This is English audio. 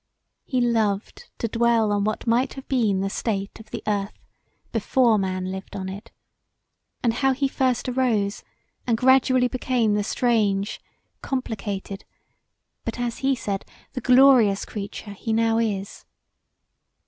He loved to dwell on what might have been the state of the earth before man lived on it, and how he first arose and gradually became the strange, complicated, but as he said, the glorious creature he now is.